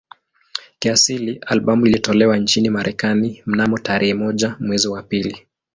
Kiasili albamu ilitolewa nchini Marekani mnamo tarehe moja mwezi wa pili